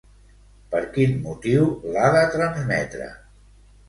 Per quin motiu l'ha de transmetre?